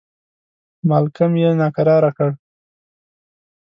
مالکم یې ناکراره کړ.